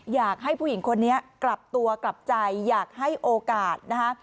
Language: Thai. อยากให้ผู้หญิงคนนี้กลับตัวกลับใจอยากให้โอกาสนะคะ